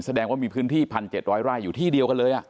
แสดงว่ามีพื้นที่๑๗๐๐ไร่อยู่ที่เดียวกันเลย